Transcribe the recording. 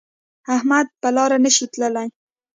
احمد په لاره نشي تللی.